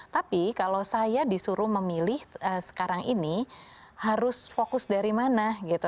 tapi kalau saya disuruh memilih sekarang ini harus fokus dari mana gitu